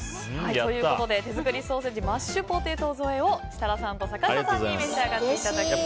ということで手作りソーセージマッシュポテト添えを設楽さんと坂下さんに召し上がっていただきます。